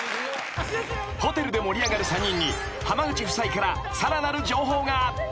［ホテルで盛り上がる３人に濱口夫妻からさらなる情報が］